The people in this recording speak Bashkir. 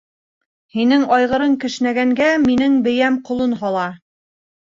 Һинең айғырың кешнәгәнгә, минең бейәм ҡолон һала